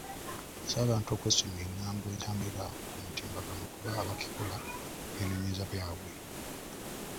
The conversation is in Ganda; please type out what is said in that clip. Asabye abantu okwesonyiwa engambo ezitambulira ku mitimbagano kuba abakikola beenoonyeza byabwe.